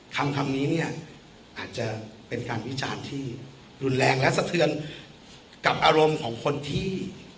คำนี้เนี่ยอาจจะเป็นการวิจารณ์ที่รุนแรงและสะเทือนกับอารมณ์ของคนที่